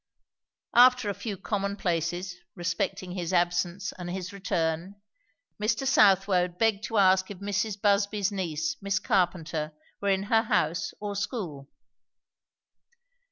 After a few commonplaces respecting his absence and his return, Mr. Southwode begged to ask if Mrs. Busby's niece, Miss Carpenter, were in her house or school?